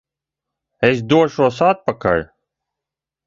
Es došos atpakaļ!